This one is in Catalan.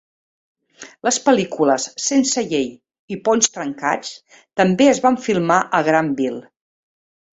Les pel·lícules "Sense llei" i "Ponts trencats" també es van filmar a Grantville.